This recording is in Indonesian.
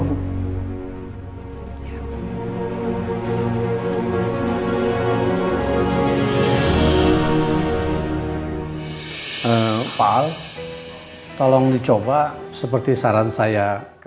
hai eh pak tolong dicoba seperti saran saya ke